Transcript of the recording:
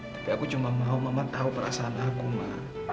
tapi aku cuma mau mama tau perasaan aku ma